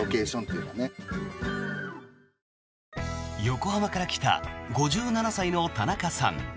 横浜から来た５７歳の田中さん。